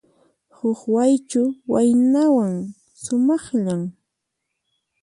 Huk Waychu waynawan, sumaqllan.